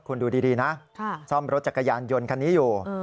คุณดูดีนะซ่อมรถจักรยานยนต์คันนี้อยู่